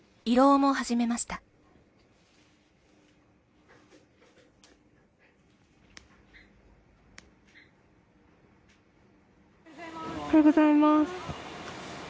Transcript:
・おはようございます。